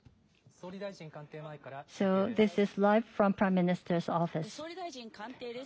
総理大臣官邸前から中継です。